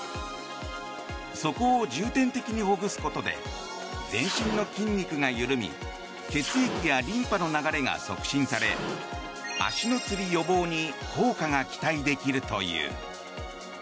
そこを重点的にほぐすことで全身の筋肉が緩み血液やリンパの流れが促進され足のつり予防に効果が期待できるという。